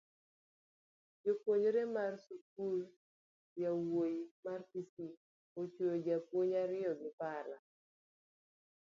Japuonjre mar skund yawuoyi ma kisii ochuyo jopuonj ariyo gi pala